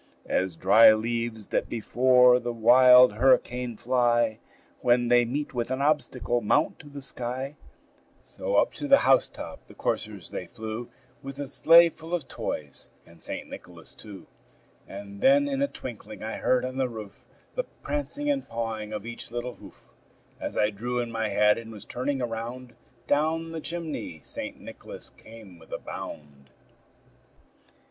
As dry leaves that before the wild hurricane fly, When they meet with an obstacle, mount to the sky, So up to the house top the coursers they flew, With the sleigh full of toys, and St. Nicholas too. And then in a twinkling I heard on the roof The prancing and pawing of each little hoof. As I drew in my head, and was turning around, Down the chimney St. Nicholas came with a bound.